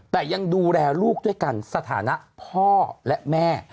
แต่ยังดูแลลูกด้วยกันสถานะพ่อและแม่